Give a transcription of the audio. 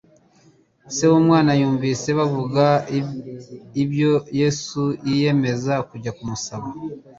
Se w'umwana yumvise bavuga ibya Yesu, yiyemeza kujya kumusaba ubufasha.